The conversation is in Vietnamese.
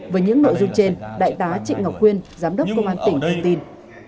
với những nội dung trên đại tá trịnh ngọc quyên giám đốc công an tỉnh đưa tin